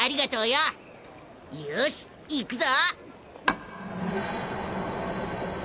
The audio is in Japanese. よし行くぞ！